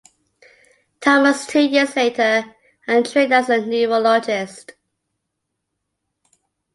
Thomas two years later, and trained as a neurologist.